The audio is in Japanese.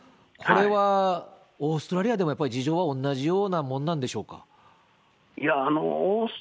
これはオーストラリアでもやっぱり事情は同じようなものなんでしいやー